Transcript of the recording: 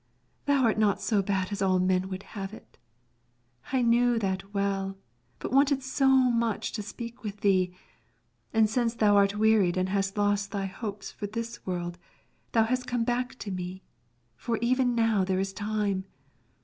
Thou art not so bad as all men would have it. I knew that well, but wanted so much to speak with thee, and since thou art wearied and hast lost thy hopes for this world, thou hast come back to me, for even now there is time!